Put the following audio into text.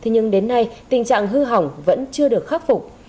nhưng đến nay tình trạng hư hỏng vẫn chưa được khắc phục